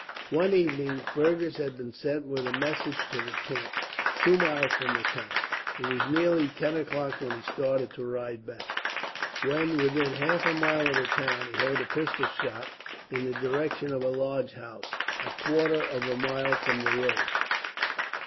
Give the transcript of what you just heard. One evening, Fergus had been sent with a message to the camp, two miles from the town. It was nearly ten o'clock when he started to ride back. When within half a mile of the town he heard a pistol shot, in the direction of a large house, a quarter of a mile from the road.